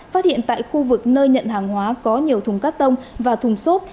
phát hiện tại khu vực nơi nhận hàng hóa có nhiều thùng cắt tông và thùng xốp